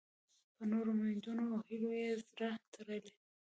په نورو امیدونو او هیلو یې زړه تړلی.